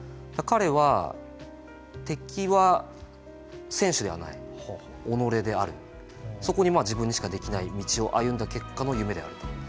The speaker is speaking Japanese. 彼は敵は選手ではないおのれであるそこに自分にしかできない道を歩んだ結果の夢であると。